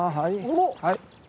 はい。